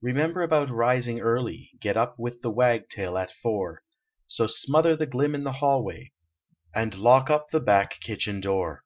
Remember about rising early. Get up with the wagtail at four. So smother the glim in the hallway. And lock up the back kitchen door.